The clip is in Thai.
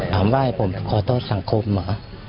ถามว่าให้ผมขอโทษสังคมเหรอ